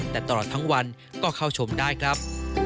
แต่ตลอดทั้งวันก็เข้าชมได้ครับ